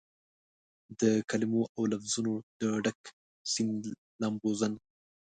دکلمو اودلفظونو دډک سیند لامبوزن